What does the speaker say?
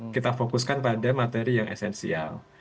kita fokuskan pada materi yang esensial